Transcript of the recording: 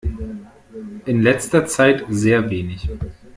In letzter Zeit sehr wenig.